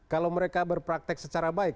kalau mereka berpraktek secara baik